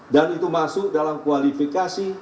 dan itu masuk dalam kualifikasi